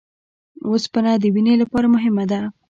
اوسپنه د وینې لپاره مهمه ده